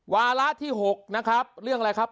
วาระที่๖เรื่องอะไรครับ